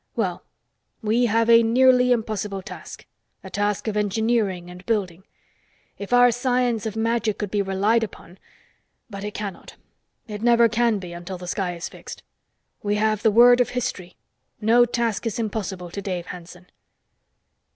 Well, we have a nearly impossible task: a task of engineering and building. If our Science of Magic could be relied upon but it cannot; it never can be, until the sky is fixed. We have the word of history: no task is impossible to Dave Hanson."